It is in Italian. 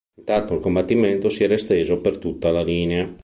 Intanto il combattimento si era esteso per tutta la linea.